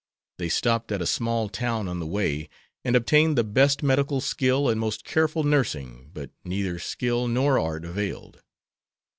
They stopped at a small town on the way and obtained the best medical skill and most careful nursing, but neither skill nor art availed.